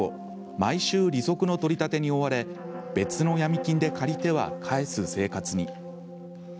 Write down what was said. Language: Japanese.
毎週、利息の取り立てに追われ別のヤミ金で借りては返す生活に。